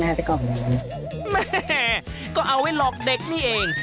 แม่ก็เอาไว้หลอกเด็กนี่เอง